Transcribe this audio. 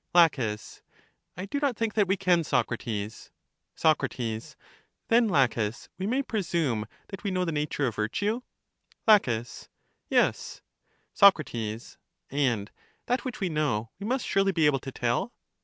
La, I do not think that we can, Socrates. Soc, Then, Laches, we may presume that we know the nature of virtue? La, Yes. Soc, And that which we know we must surely be able to tell?